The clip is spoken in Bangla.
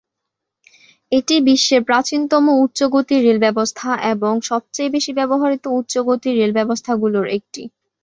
এটি বিশ্বের প্রাচীনতম উচ্চ-গতির রেল ব্যবস্থা এবং সবচেয়ে বেশি ব্যবহৃত উচ্চ-গতির রেল ব্যবস্থাগুলির একটি।